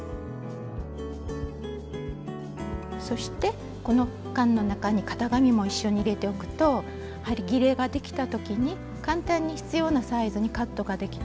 そしてこの缶の中に型紙も一緒に入れておくとはぎれができた時に簡単に必要なサイズにカットができてとっても便利です。